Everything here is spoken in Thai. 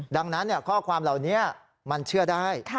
ดังนั้นข้อความเหล่านี้มันเชื่อได้